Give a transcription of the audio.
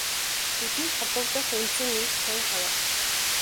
Тэдэнд холбогдох үндсэн эх тун ховор.